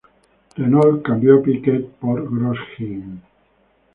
Renault cambió a Piquet por Grosjean.